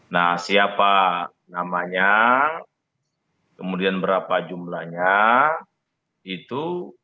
nah siapa namanya kemudian berapa jumlahnya itu